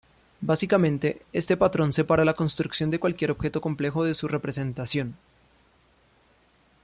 Básicamente este patrón separa la construcción de cualquier objeto complejo de su representación.